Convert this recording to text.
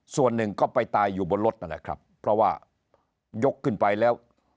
ส่วนหนึ่งก็ไปตายอยู่บนรถนั่นแหละครับเพราะว่ายกขึ้นไปแล้ว